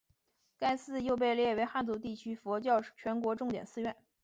该寺又被列为汉族地区佛教全国重点寺院。